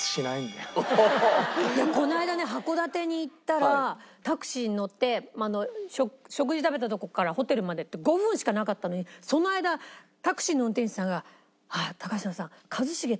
この間ね函館に行ったらタクシーに乗って食事食べたとこからホテルまで５分しかなかったのにその間タクシーの運転手さんが「高嶋さん」。